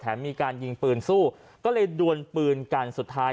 มีการยิงปืนสู้ก็เลยดวนปืนกันสุดท้าย